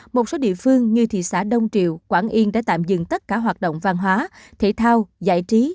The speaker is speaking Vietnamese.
một số địa phương như thị xã đông triều quảng yên đã tạm dừng tất cả hoạt động văn hóa thể thao giải trí